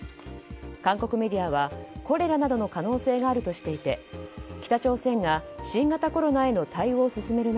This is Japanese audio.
韓国メディアは、コレラなどの可能性があるとしていて北朝鮮が新型コロナへの対応を進める